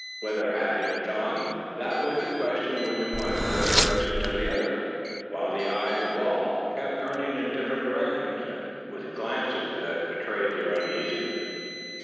Whither had it gone? That was the question which one was addressing to the other, while the eyes of all kept turning in different directions, and with glances that betrayed their uneasiness.